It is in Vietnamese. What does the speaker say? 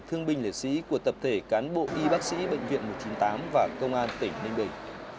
thương binh lễ sĩ của tập thể cán bộ y bác sĩ bệnh viện một trăm chín mươi tám và công an tỉnh ninh bình